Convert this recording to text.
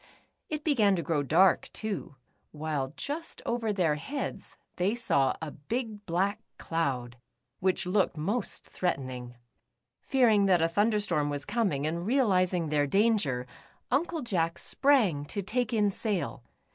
It began to grow dark, too, while just over their heads they saw a big black cloud, which looked most threatenino;. Fearincf that a thunder storm was coming, and realizing their danger. Uncle Jack sprang to take in sail.